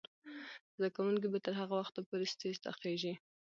زده کوونکې به تر هغه وخته پورې سټیج ته خیژي.